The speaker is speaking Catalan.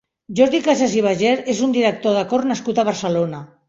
Jordi Casas i Bayer és un director de cor nascut a Barcelona.